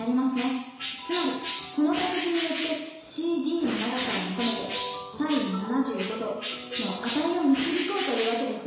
つまりこの作図によってＣＤの長さを求めてｓｉｎ７５°の値を導こうというわけですね。